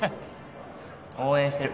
応援してる